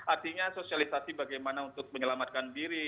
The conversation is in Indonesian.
artinya sosialisasi bagaimana untuk menyelamatkan diri